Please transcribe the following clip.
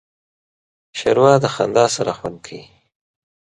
ښوروا د خندا سره خوند کوي.